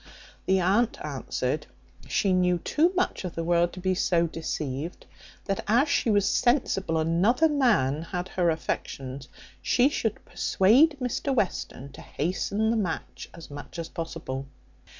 The aunt answered, "She knew too much of the world to be so deceived; that as she was sensible another man had her affections, she should persuade Mr Western to hasten the match as much as possible.